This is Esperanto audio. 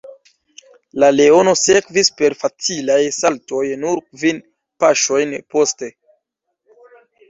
La leono sekvis per facilaj saltoj nur kvin paŝojn poste.